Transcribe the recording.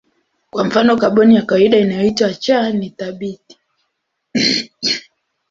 Kwa mfano kaboni ya kawaida inayoitwa C ni thabiti.